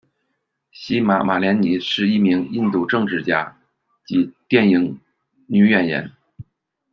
希玛·马连尼是一名印度政治家及电影女演员。